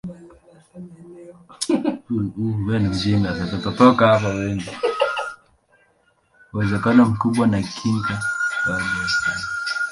Uwezekano mkubwa ni kinga dhidi ya baridi.